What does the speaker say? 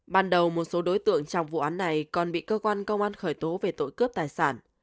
ban đầu một số đối tượng trong vụ án này còn bị cơ quan công an khởi tố về tội cướp tài sản